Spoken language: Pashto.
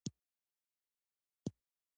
تالابونه د افغانانو د فرهنګي پیژندنې برخه ده.